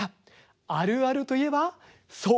あるあるといえばそう！